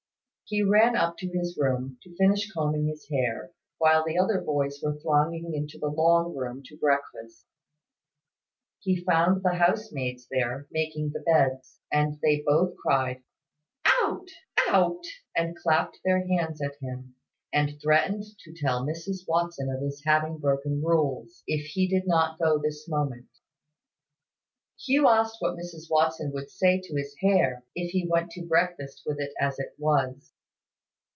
He ran up to his room, to finish combing his hair, while the other boys were thronging into the long room to breakfast. He found the housemaids there, making the beds; and they both cried "Out! Out!" and clapped their hands at him, and threatened to tell Mrs Watson of his having broken rules, if he did not go this moment Hugh asked what Mrs Watson would say to his hair, if he went to breakfast with it as it was.